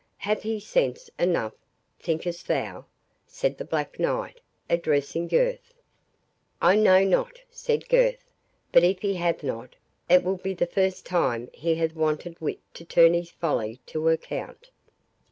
"Hath he sense enough, thinkst thou?" said the Black Knight, addressing Gurth. "I know not," said Gurth; "but if he hath not, it will be the first time he hath wanted wit to turn his folly to account."